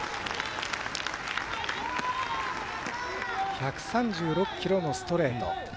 １３６キロのストレート。